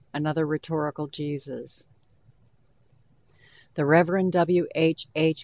ANOTHER RHETORICAL JESUS The Rev. W. H. H.